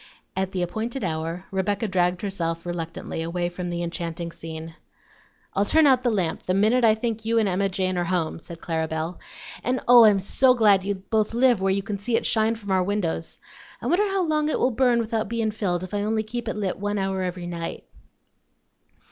At the appointed hour Rebecca dragged herself reluctantly away from the enchanting scene. "I'll turn the lamp out the minute I think you and Emma Jane are home," said Clara Belle. "And, oh! I'm so glad you both live where you can see it shine from our windows. I wonder how long it will burn without bein' filled if I only keep it lit one hour every night?"